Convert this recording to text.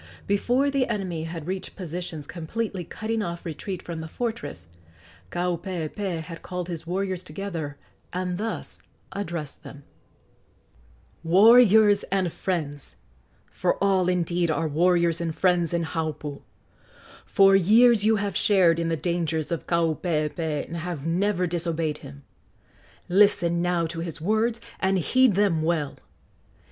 Before the enemy had reached positions completely cutting off retreat from the fortress, Kaupeepee had called his warriors together and thus addressed them: "Warriors and friends! for all, indeed, are warriors and friends in Haupu! for years you have shared in the dangers of Kaupeepee and have never disobeyed him. Listen now to his words, and heed them well.